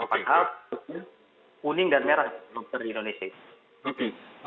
apakah itu kuning dan merah di indonesia